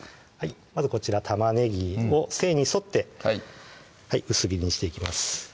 まずこちら玉ねぎを繊維に沿って薄切りにしていきます